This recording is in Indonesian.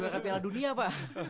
dua kepiala dunia pak